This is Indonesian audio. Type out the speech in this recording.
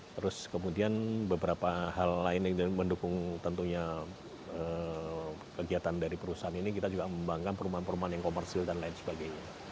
terus kemudian beberapa hal lain yang mendukung tentunya kegiatan dari perusahaan ini kita juga mengembangkan perumahan perumahan yang komersil dan lain sebagainya